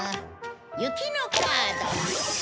雪のカード。